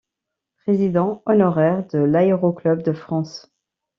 Président honoraire de l'Aéro-club de France.